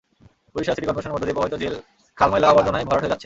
Barishal city করপোরেশনের মধ্য দিয়ে প্রবাহিত জেল খাল ময়লা-আবর্জনায় ভরাট হয়ে যাচ্ছে।